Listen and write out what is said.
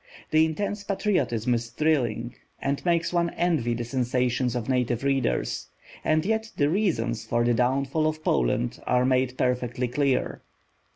The intense patriotism is thrilling, and makes one envy the sensations of native readers. And yet the reasons for the downfall of Poland are made perfectly clear.